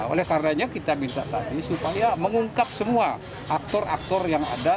oleh karenanya kita minta tadi supaya mengungkap semua aktor aktor yang ada